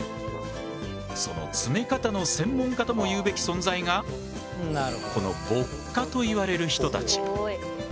その詰め方の専門家ともいうべき存在がこの歩荷といわれる人たち。